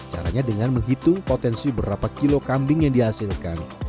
caranya dengan menghitung potensi berapa kilo kambing yang dihasilkan